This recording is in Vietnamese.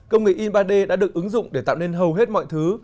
công nghệ in ba d đã được ứng dụng để tạo nên hầu hết mọi thứ